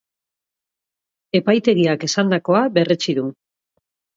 Epaitegiak esandakoa berretsi du.